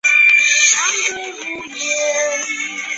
信浓国城主。